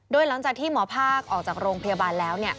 โดยหลังจากที่หมอภาคออกจากโรงพยาบาลแล้ว